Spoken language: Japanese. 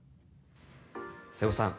瀬尾さん